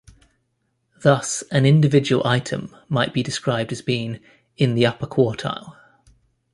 Thus an individual item might be described as being "in the upper quartile".